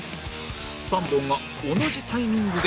３本が同じタイミングで